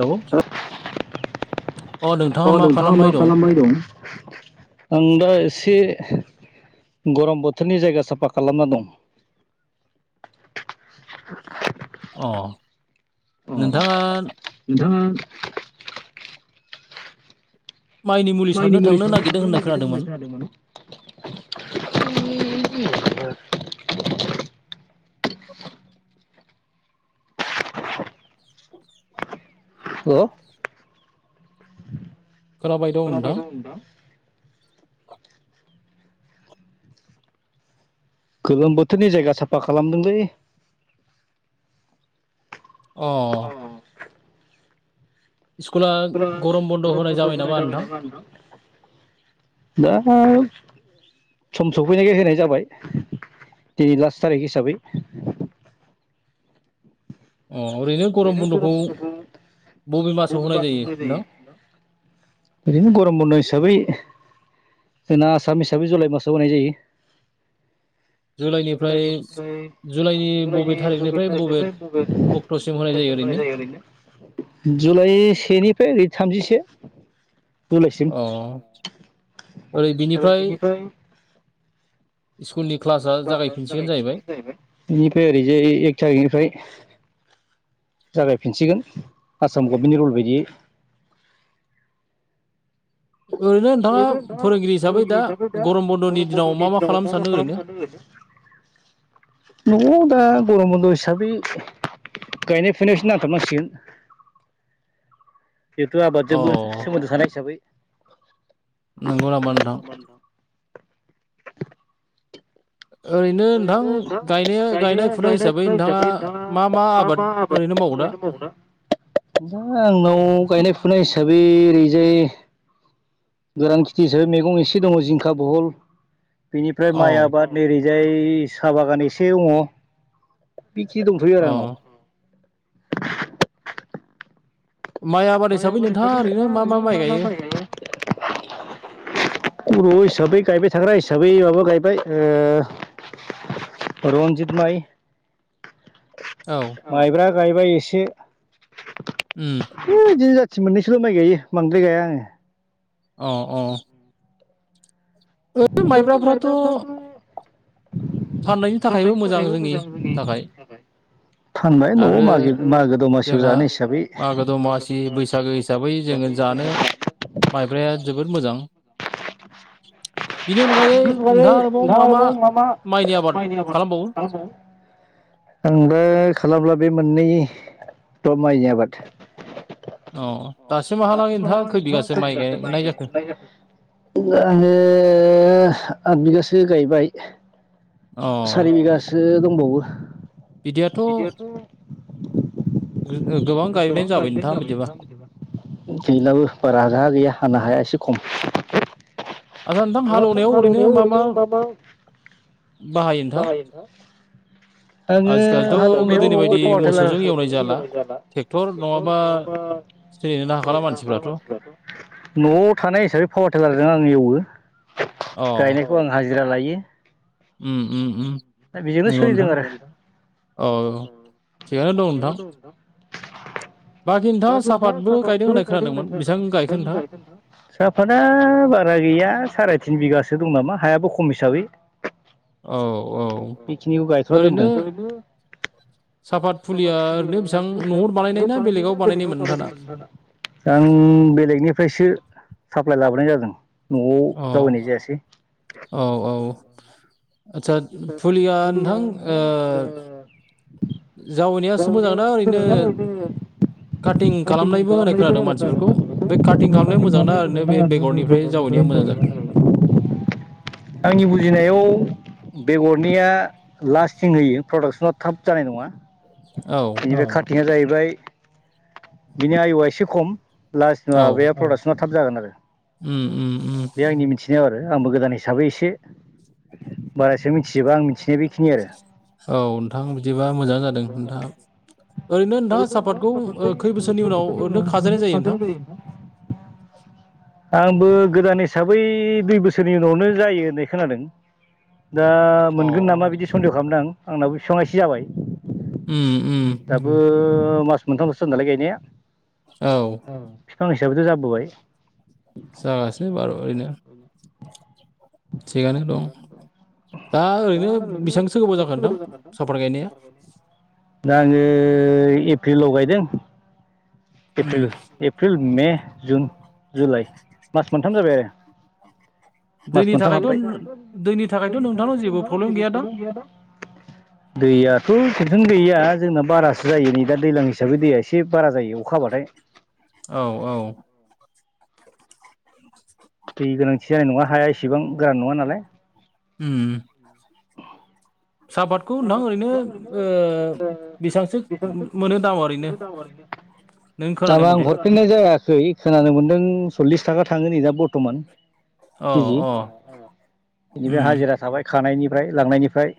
औ अ नोंथाङा मा खालामनाय दं आं दा एसे गरम बोथोरनि जायगा साफा खालामना दं [inaudible] अ नोंथाङा माइनि मुलि सनानै थांनो नागिरदों होननाय जादोंमोन [unintelligible] [inaudible] [inaudible] गोलोम बोथोरनि जायगा साफा खालामदोंलै अ स्कुला गरम बन्द होनाय जाबाय नामा नोंथां? दा सम सफैनायखाय होनाय जाबाय। दिनै लास थारिख हिसाबै ओरैनो [unintelligible] ओरैनो गरम बन्द हिसाबै जोंना आसाम हिसाबै जुलाइ मासाव होनायनाय जायो। जुलाइनि -जुलाइनि बबे थारिखनिफ्राय बबे थारिखसिम? जुलाइ सेनिफ्राय ओरै थामजिसे। जुलाइसिम बिनिफ्राय बेनिफ्राय ओरैजाय एक थारिखनिफ्राय जागायफिनसिगोन आसाम गभमेन्टनि रुल बायदियै। [inaudible] ओरैनो नोंथाङा फोरोंगिरि हिसाबै दा गरम बन्द'नि दिनाव मा -मा खालामनो सान्दों ओरैनो? [inaudible] दङ दा। गरम' बन्द' हिसाबै गायनाय -फुनायावसो नांथाबनांसिगोन। [inaudible] [unintelligible] आबादजोंबो सोमोन्दो थानाय हिसाबै [unintelligible] ओरैनो नोंथां गायनाया गायनाय फुनाय हिसाबै नोंथाङा मा -मा आबाद दा आंनाव गायनाय फुनाय हिसाबै ओरैजाय गोरान खेथि हिसाबै मैगं एसे दङ जिंखा, बहल। बिनिफ्राय माइ आबाद ओरैजाय साहा बागान एसे दङ। बेखि दंथ'यो आरो आंनाव। [unintelligible] बर' हिसाबै गायबाय थाग्रा हिसाबै माबा गायबाय ओ रन्जित माइ। माइब्रा गायबाय एसे बिदिनो [unintelligible] मोननैसोल' माइ गायो बांद्राय गाया आङो। औ औ। ओरैनो माइब्राफ्राथ' फाननायनि थाखायबो मोजां जोंनि थाखाय। आरो जोंहा मागो दमासि बैसागो हिसाबै जोङो जानो माइब्राया जोबोद मोजां। [unintelligible] आं दा खालामला बे मोननै [unintelligible] माइनि आबाद [unintelligible] आङो आद बिगासो गायबाय, सारि बिगासो दंबावो। बिदियाथ' गोबां गायनायानो जाबाय नोंथां। गैलाबो बारा, जा गैया हानो हाया एसे खम। आचसा नोंथां हालेवनायाव ओरैनो मा -मा बाहायो नोंथां? आङो हालेवनायाव न'वाव पावार टेलार, मोसौजों एवनाय जाला ट्रेक्टर नङाबा न'आव थानाय हिसाबै पावार टेलारजों आं एवो। गायनायखौ आं हाजिरा लायो। ओम ओम ओम नंगौ नोंथां औ थिगानो। थिगानो दं नोंथां। [unintelligible] नोंथां साफादबो गायदों होननाय खोनादों। साफादा बारा गैया। साराय तिन बिगासो दं नामा? हायाबो खम हिसाबै। बेखिनिखौ गायथ'ना दोनदों सापाद फुलियाथ' नोंथां न'आव बानायनाय ना बेलेगाव बानायनाय [inaudible] आं बेलेगनिफ्रायसो साप्लाइ लाबोनाय जादों न'आव जावैनाय जायासै औ औ आतसा फुलिया नोंथां ओ जावैनायासो मोजांना ओरैनो काटिं खालामनायबो होननाय खोनादों मानसिफोरखौ। बे काटिं खालामनाया मोजांना ओरैनो बेगरनिफ्राय जावैनाय आ मोजां जागोन आंनि बुजिनायाव बेगरनिया लास्टिं होयो प्रडाक्सना थाब जानाय नङा औ थिङा जाहैबाय बिनि आय'आ एसे खम लास्ट नङाबा बे प्रडाक्सना थाब जागोन आरो उम उम उम आंबो गोदान हिसाबै एसे बारासो मिथिजोबा आं मिथि औ नोंथां बिदिबा मोजां जादों नोंथाङा ओरैनो नोंथाङा सापातखौ खै बोसोरनि उनाव ओरैनो खाजायनाय जायो नोंथां [inaudible] आंबो गोदान हिसाबै दुइ बोसोरनि उनावनो जायो होननाय खोनादों। दा मोनगोन नामा बिदि सन्देह खालामदों आं आंनावो बिफबां एसे जाबाय दाबो मास मोनथामलसो जादों नालाय गायनाया बिफां हिसाबैथ' जाबोबाय [inaudible] बार' ओरैनो थिगानो दं दा ओरैनो बेसेबांसो गोबाव जागोन नोंथां सापात गायनाया दा आङो एप्रिलाव गायदों April April, May June July मास मोनथाम जाबाय आरो। मास मोनथाम हाबबाय। दैनि थाखायथ' नोंथा जेबो प्रब्लेम गैयाना दैयाथ' प्रब्लेम गैया जोंना बारासो जायो नै दा दैज्लां हिसाबै दैया एसे बारा जायो अखाबाथाय औ औ दै गोनांथि जानाय नङा हाया इसेबां गोरान नङा नालाय ओम [unintelligible] ओ बिसांसो मोनो दाम ओरैनो दामाबा आं हरफिननाय जायाखै खोनानो मोनदों सल्लिस थाखा थाङो नै दा बर्थमान केजि बिनिफ्राय हाजिरा थाबाय खानायनि फ्राय लांनायनिफ्राय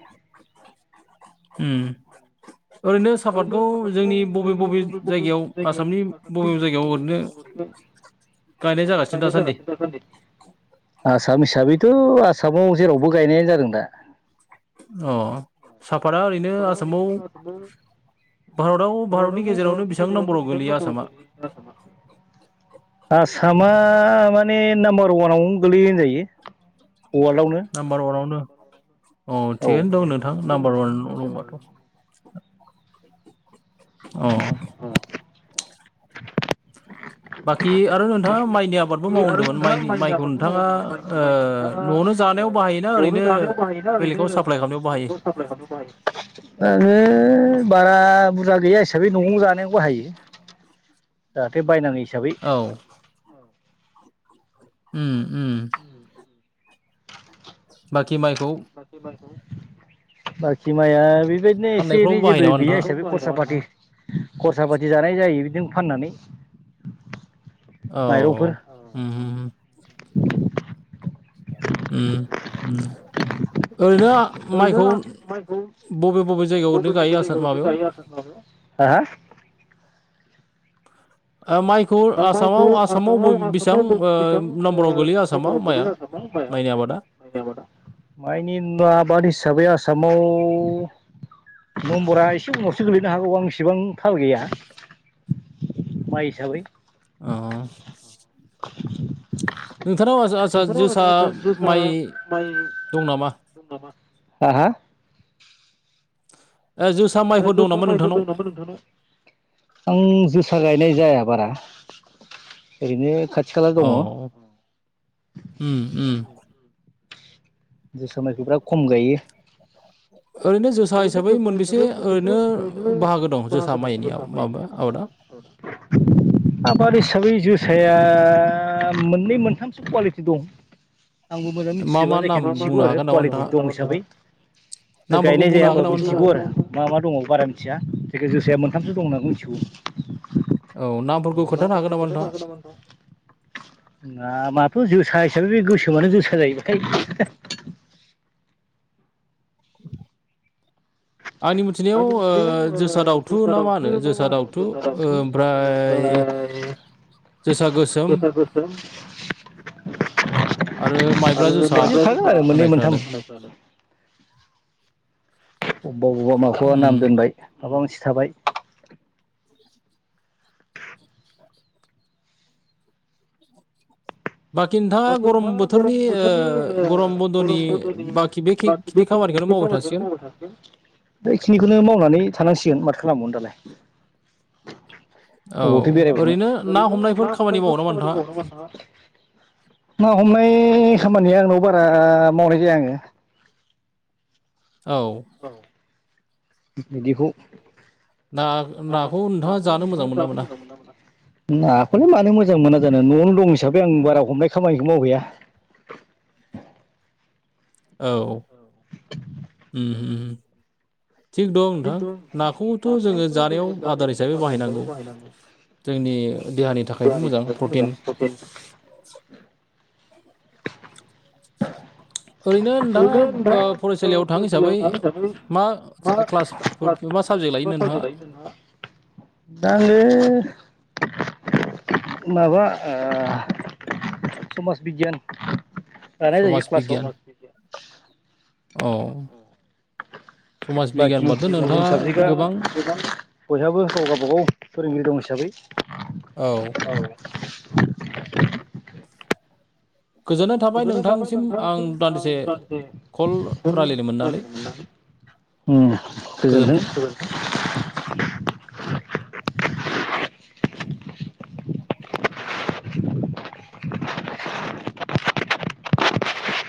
ओम ओरैनो सापातखौ जोंनि बबे बबे जायगायाव आसामनि बबे बबे जायगायाव ओरैनो गायनाय जागासिनो दा सान्दि आसाम हिसाबैथ आसामाव जेरावबो गायनायानो जादों दा साफाता ओरैनो आसामाव भारताव भारतनि गेजेरावनो बेसां नाम्बाराव गोलैयो आसामा आसामा माने नाम्बार वानावनो गोलैयो होनजायो नामबार अनावनो दं औ थिगैनो दं नोंथां नाम्बार वानाव दंबाथ अ बाखि आरो नोंथाङा माइ नि आबादबो मावो होनदोंमोन माइनि माइखौ नोंथाङा ओ नआवनो जानायाव बाहायोना ओरैनो [unintelligible] बारा बुरजा गैया हिसाबै नआव जानायाव बाहायो जाहाथे बायनाङै औ ओम ओम बाखि माइ बाखि माइखौ बाखि माया बै बेबायदिनो एसे एनै जेबो गैया हिसै खरसा फाथि खरसा पाथि जानाय जायो बिदिनो फाननानै औ होम‌ होम होम ओम ओम ओरैनो माइखौ बबे बबे जायगायाव जायो [unintelligible] हा हा [inaudible] ओ माइखौ आसामाव आसामाव बबे बेसेबां ओ नाम्बाराव गोलैयो आसामाव माइआ माइनि आबादा माइनि आबादा माइनि आबाद हिसाबै आसामाव नम्बरा एसे उनावसो गोलैनो हागौ आं इसेबां थाल गैया माइ हिसाबै [unintelligible] हा हा [inaudible] जोसा माइ दं नामा नोंथांनाव आं जोसा गायनाय जाया बारा ओरैनो खाथि औ ओम ओम जोसा मायखो बिराद खम गायो [unintelligible] आबाद हिसाबै जोसाया या मोननै मोनथामसो कुवालिटि दं आंबो मोजां मिथिजोबा जायखिजाया मिथिगौ आरो कुवालिटि दं हिसाबै जाया होमबाबो मिथिगौ आरो मा मा दङ बारा मिथिया जायखि जाया जोसाया मोनथामसो दं होनना मिथिगौ औ बाथखौ खथ जाजोन मोनथ [unintelligible] नामाथ' जोसा हिसाबै बे गोस गमानो जोसा जायोबथायाय [unintelligible] [inaudible] आंनि मिथिनायाव ओ जोसा दावथु ना मा होनो जोसा दउथु ओमफ्राय [inaudible] गोसार खसन [unintelligible] आरोागोन आरो मोननै मोनथाम फ [unintelligible] अबेबा बबेबा माखौबा नाम दोनबाय माबा मोनसे थाबाय नोंथाङा गरम बोथोरनि ओ गरम बद'नि गासैबो थिग बेखिनिखौनो मावनानै थानांसिगोन माथो खालामबावोन दालाय [unintelligible] अबावथो बेरायबावनो, ओरैनो मा कम्पानीफ्राव खामानि मावोमोन नोंथांङा? ना हमनाय खामानिया आंनाव बारा मावनाय जाया आङो। औ बिदिखौ ना नाखौ नोंथांङा नाखौलाय मानो मोजां मोना जानो न'आव दं [unintelligible] हिसाबै आं बारा हमनाय खामानिखौ मावहैया। औ ओम ओम खिथु गे हाजा हिसाब बाय नांगौ [unintelligible] जोंनि देहानि थाखायबो मोजां प्रटिन [inaudible] [inaudible] [unintelligible] [unintelligible] माबा ओ समाज बिगियान जानाय जायो क्लासाव। औ बाखि गुबजुन साबजेक्टआ बयहाबो गाव गावबागाव फोरोंगिरि दं हिसाबै [unintelligible] औ गोजोनाय थाबाय नोंथांसिम आं दानदिसे नोंथांजों रायलायनो मोननानै। ओम गोजोनथों गोजोनथों। [inaudible] [inaudible]